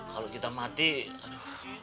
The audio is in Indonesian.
kalau kita mati aduh